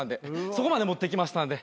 そこまで持ってきましたので。